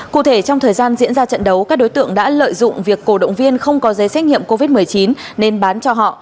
cụ thể trong thời gian diễn ra trận đấu các đối tượng đã lợi dụng việc cổ động viên không có giấy xét nghiệm covid một mươi chín nên bán cho họ